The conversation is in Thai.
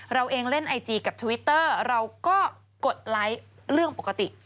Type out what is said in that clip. เราเองเล่นไอจีกับทวิตเตอร์เราก็กดไลค์เรื่องปกติ